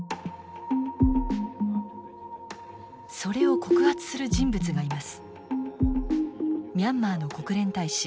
それを告発する人物がいます。